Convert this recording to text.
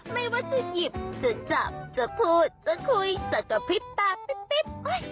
ไม่ว่าจะหยิบจะจับจะพูดจะคุยจะกระพริบตาปิ๊บ